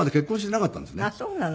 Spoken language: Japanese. あっそうなの？